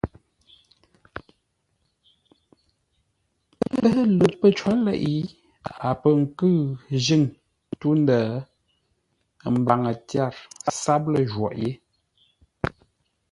Ə́ lə pə̂ có leʼé, a pə̂ nkʉ̂ʉ njʉ̂ŋ tû-ndə̂, ə mbaŋə tyâr sáp ləjwôghʼ yé.